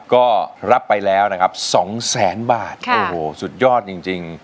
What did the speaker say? ก็รับไปแล้วนะครับสองแสนบาทโอ้โหสุดยอดจริง